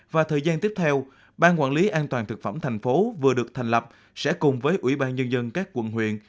và thời gian tiếp theo ban quản lý an toàn thực phẩm thành phố vừa được thành lập sẽ cùng với ủy ban nhân dân các quận huyện